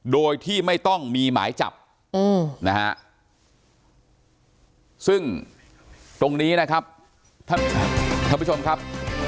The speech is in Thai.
โดยที่ไม่ต้องมีหมายจับนะฮะซึ่งตรงนี้นะครับท่านผู้ชมครับ